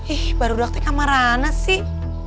ih baru doang ke kamar mana sih